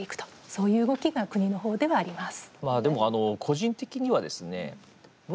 そういう動きが国の方ではあります。